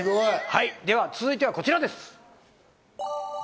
では続いてはこちらです。